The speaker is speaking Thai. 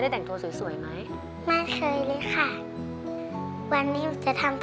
แล้วน้องใบบัวร้องได้หรือว่าร้องผิดครับ